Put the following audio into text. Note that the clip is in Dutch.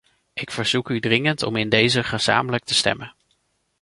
Ik verzoek u dringend om in dezen gezamenlijk te stemmen.